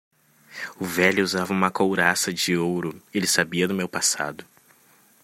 O velho usava uma couraça de ouro? e ele sabia do meu passado.